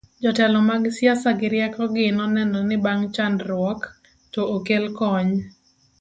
jotelo mag siasa gi rieko gi noneno ni bang' chandgruok to okel kony